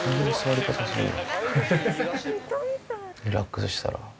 リラックスしたら。